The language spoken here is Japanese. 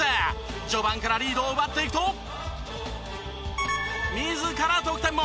序盤からリードを奪っていくと自ら得点も。